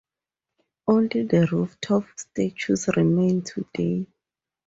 Only the rooftop statues remain today.